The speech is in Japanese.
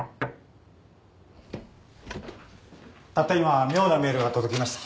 たった今妙なメールが届きました。